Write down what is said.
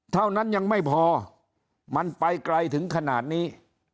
เท่านั้นยังไม่พอมันไปไกลถึงขนาดนี้